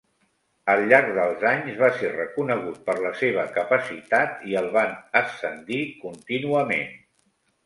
Al llarg dels anys va ser reconegut per la seva capacitat i el van ascendir contínuament.